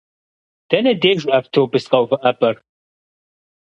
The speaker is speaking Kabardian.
Дэнэ деж автобус къэувыӏэпӏэр?